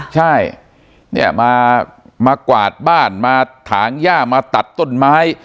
ใช่มากวาดบ้านมาถางหญ้ามาตัดต้นไม้